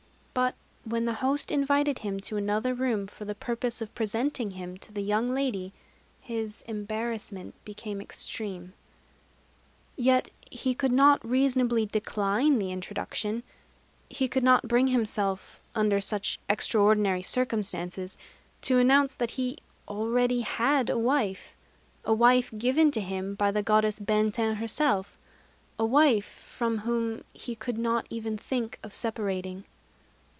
But when the host invited him to another room, for the purpose of presenting him to the young lady, his embarrassment became extreme. Yet he could not reasonably decline the introduction. He could not bring himself, under such extraordinary circumstances, to announce that he already had a wife, a wife given to him by the Goddess Benten herself; a wife from whom he could not even think of separating.